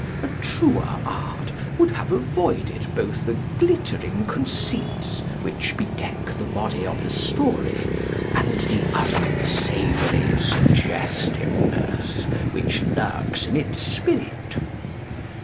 A truer art would have avoided both the glittering conceits, which bedeck the body of the story, and the unsavoury suggestiveness which lurks in its spirit.